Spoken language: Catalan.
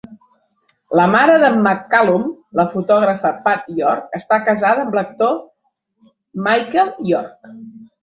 La mare d'en McCallum, la fotògrafa Pat York, està casada amb l'actor Michael York.